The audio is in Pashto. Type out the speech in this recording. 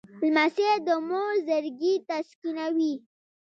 لمسی د مور زړګی تسکینوي.